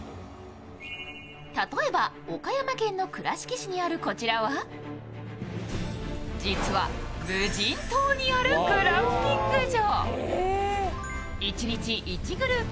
例えば、岡山県の倉敷市にあるこちらは実は無人島にあるグランピング場。